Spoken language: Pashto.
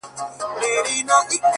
• چي ډاکټر ورته کتله وارخطا سو,